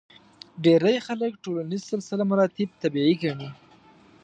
ډېری خلک ټولنیز سلسله مراتب طبیعي ګڼي.